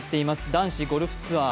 男子ゴルフツアー。